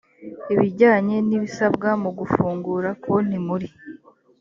ibijyanye n ibisabwa mu gufungura konti muri